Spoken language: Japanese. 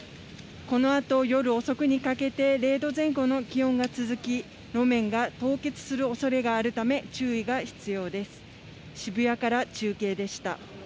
このあと夜遅くにかけて、０度前後の気温が続き、路面が凍結するおそれがあるため、注意が必要です。